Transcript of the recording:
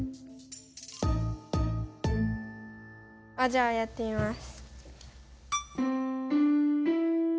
じゃあやってみます。